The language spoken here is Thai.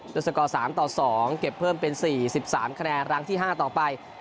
วันสระก่อสามต่อสองเก็บเพิ่มเป็นสี่สิบสามคะแนนล้างที่ห้าต่อไป